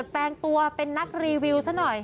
แปลงตัวเป็นนักรีวิวซะหน่อย